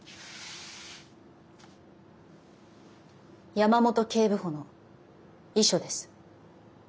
山本警部補の遺書です。